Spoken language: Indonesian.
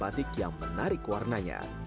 batik yang menarik warnanya